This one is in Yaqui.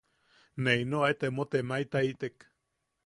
Ne ino aet emo temaetaitek.